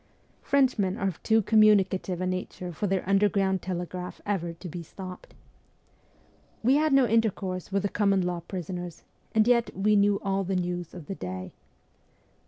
Frenchmen are of too communicative a nature for their underground telegraph ever to be stopped. We had no intercourse with the common law prisoners, and yet we knew all the news of the day.